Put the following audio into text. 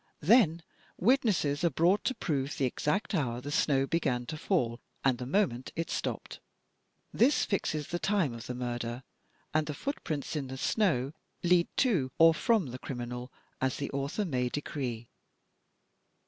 Then witnesses are brought to prove the exact hour the snow began to fall, and the moment it stopped. This fixes the time of the murder, and the foot prints in the snow lead to or from the criminal as the author may decree.